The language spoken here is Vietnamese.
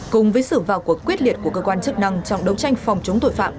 cùng với sự vào cuộc quyết liệt của cơ quan chức năng trong đấu tranh phòng chống tội phạm